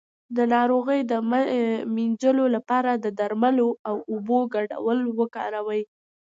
د ناروغۍ د مینځلو لپاره د درملو او اوبو ګډول وکاروئ